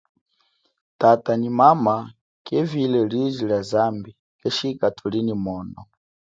Tata nyi mama kevile liji lia zambi keshika thuli nyi mono.